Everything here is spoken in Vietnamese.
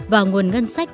vào nguồn ngân sách